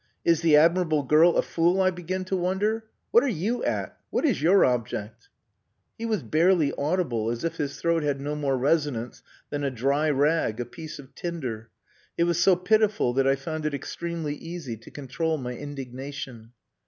Is the admirable girl a fool, I begin to wonder? What are you at? What is your object?" He was barely audible, as if his throat had no more resonance than a dry rag, a piece of tinder. It was so pitiful that I found it extremely easy to control my indignation.